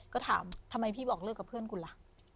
ก็ถามทำไมพี่บอกเลิกกับเพื่อนคุณล่ะ